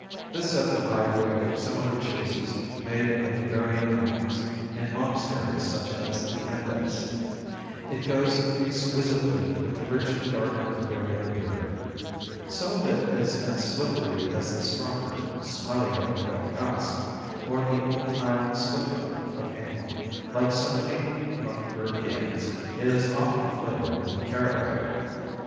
This sets a high grade for similar cheeses made in the Bavarian mountains, in monasteries such as Andechs. It goes exquisitely with the rich dark Bavarian beer. Some of it is as slippery as the stronger, smellier Bierkäse, or the old time Slipcote of England. Like so many North Europeans, it is often flavored with caraway.